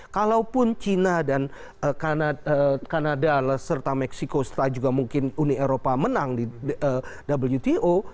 kalaupun cina dan kanada serta meksiko setelah juga mungkin uni eropa menang di wto